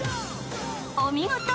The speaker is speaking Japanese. ［お見事！